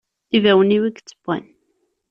D ibawen-iw, i ittewwan!